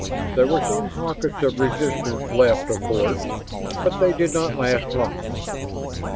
There were some pockets of resistance left, of course, but they did not last long.